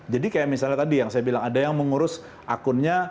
jadi kayak misalnya tadi yang saya bilang ada yang mengurus akunnya